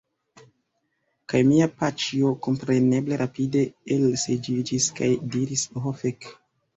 Kaj mia paĉjo, kompreneble, rapide elseĝiĝis, kaj diris: "Ho fek!"